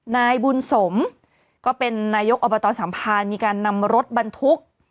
นายบุญสมก็เป็นนายกอบตสัมภารมีการนำรถบรรทุก